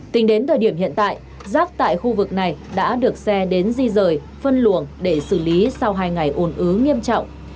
tính đến thời điểm hiện tại rác tại khu vực này đã được xe đến di rời phân luồng để xử lý sau hai ngày ồn ứ nghiêm trọng